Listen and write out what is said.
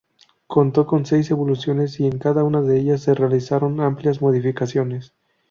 Contó con seis evoluciones y en cada una de ellas se realizaron amplias modificaciones.